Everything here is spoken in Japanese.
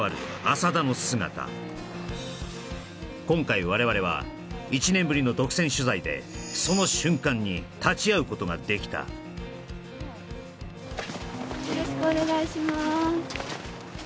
今回我々は１年ぶりの独占取材でその瞬間に立ち会うことができたよろしくお願いします